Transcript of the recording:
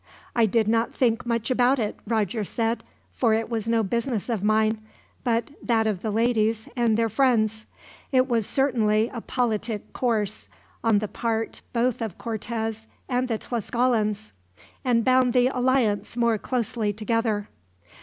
"I did not think much about it," Roger said; "for it was no business of mine, but that of the ladies and their friends. It was certainly a politic course, on the part both of Cortez and the Tlascalans, and bound the alliance more closely together.